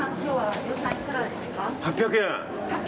８００円！